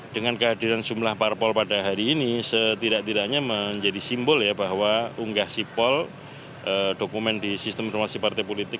dengan kehadiran jumlah parpol pada hari ini setidak tidaknya menjadi simbol ya bahwa unggah sipol dokumen di sistem informasi partai politik